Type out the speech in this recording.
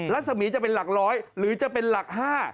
รัศมีร์จะเป็นหลักร้อยหรือจะเป็นหลัก๕